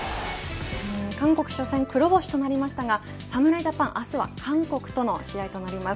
韓国初戦、黒星となりましたが侍ジャパンを明日は韓国との試合となります。